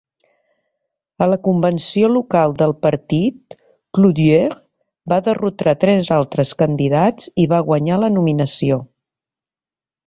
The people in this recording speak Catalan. A la convenció local del partit, Clouthier va derrotar tres altres candidats i va guanyar la nominació.